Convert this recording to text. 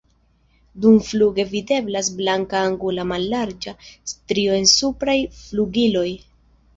Dumfluge videblas blanka angula mallarĝa strio en supraj flugiloj.